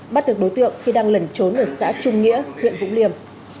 bắt được đối tượng khi đang lẩn trốn ở xã trung nghĩa huyện vũng liêm